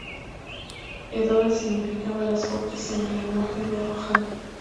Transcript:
Edoras significaba "Las Cortes", en el lenguaje de Rohan.